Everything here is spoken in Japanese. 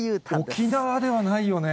沖縄ではないよね。